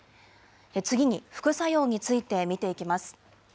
次に副作用について見ていきます。